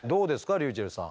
ｒｙｕｃｈｅｌｌさん。